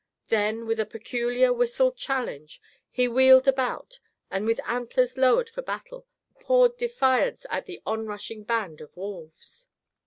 Then, with a peculiar whistled challenge, he wheeled about and with antlers lowered for battle, pawed defiance at the on rushing band of wolves.